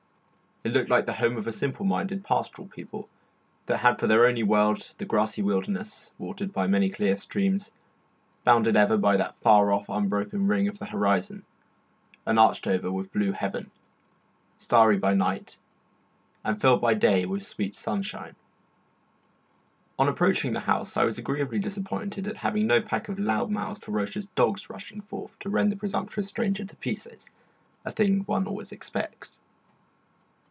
It looked like the home of simple minded, pastoral people that had for their only world the grassy wilderness, watered by many clear streams, bounded ever by that far off, unbroken ring of the horizon, and arched over with blue heaven, starry by night and filled by day with sweet sunshine. On approaching the house I was agreeably disappointed at having no pack of loud mouthed, ferocious dogs rushing forth to rend the presumptuous stranger to pieces, a thing one always expects.